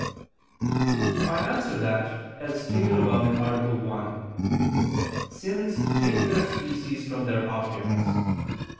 I answer that, As stated above (A. 1), sins take their species from their objects.